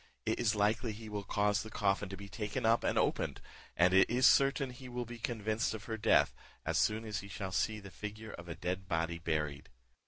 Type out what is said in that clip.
It is likely he will cause the coffin to be taken up and opened, and it is certain he will be convinced of her death, as soon as he shall see the figure of a dead body buried.